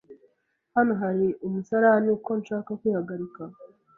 Hano hari umusarani ko nshaka kwihagarika?